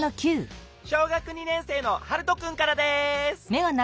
小学２年生のハルトくんからです。